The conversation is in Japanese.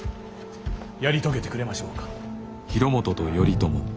やり遂げてくれましょうか。